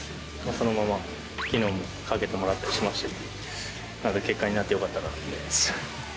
そのままきのうもかけてもらったりしましたけど、結果になってよかったなと思います。